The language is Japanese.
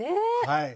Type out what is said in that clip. はい。